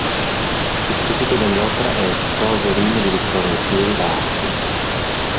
Il sottotitolo dell'opera è "Prose e rime di Vittorio Alfieri da Asti".